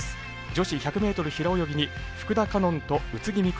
女子１００ｍ平泳ぎに福田果音と宇津木美都